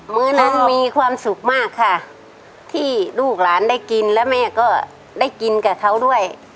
มื้อนั้นมีความสุขมากค่ะที่ลูกหลานได้กินแล้วแม่ก็ได้กินกับเขาด้วย